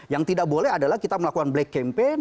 yang tidak boleh adalah kita melakukan black campaign